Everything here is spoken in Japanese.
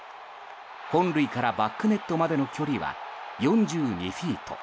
本塁からバックネットまでの距離は４２フィート